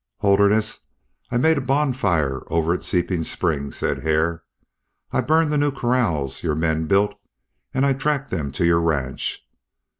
"Holderness, I made a bonfire over at Seeping Springs," said Hare. "I burned the new corrals your men built, and I tracked them to your ranch.